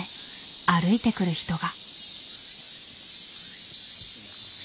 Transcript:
歩いてくる人が。